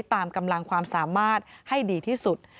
ตามกำลังความสามารถให้ดีที่สุด